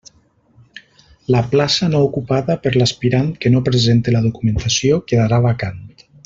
La plaça no ocupada per l'aspirant que no presente la documentació quedarà vacant.